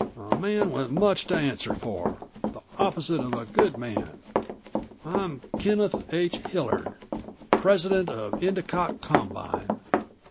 "A man with much to answer for, the opposite of a good man. I'm Kenneth H. Hillard, President of the Endicott Combine."